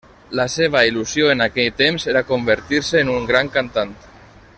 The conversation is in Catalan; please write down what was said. La seva il·lusió en aquell temps era convertir-se en una gran cantant.